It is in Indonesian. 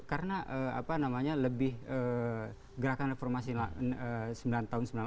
karena apa namanya lebih gerakan reformasi tahun sembilan puluh delapan